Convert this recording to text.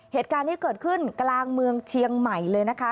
เหตุการณ์นี้เกิดขึ้นกลางเมืองเชียงใหม่เลยนะคะ